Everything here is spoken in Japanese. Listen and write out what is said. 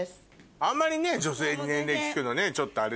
あんまりね女性に年齢聞くのねちょっとあれだけど。